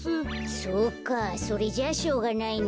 そうかそれじゃあしょうがないね。